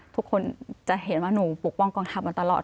ทุกคนจะเห็นว่าหนูปกป้องกองทัพมาตลอด